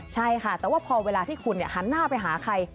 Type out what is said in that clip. ใช่ค่ะแต่ว่าพอเวลาที่คุณหันหน้าไปหาใคร